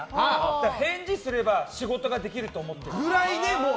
だから、返事すれば仕事ができると思ってる。